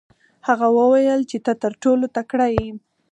هغه وویل چې ته تر ټولو تکړه یې.